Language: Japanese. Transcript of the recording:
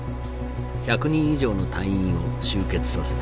１００人以上の隊員を集結させた。